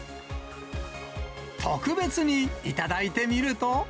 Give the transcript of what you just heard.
特別に頂いてみると。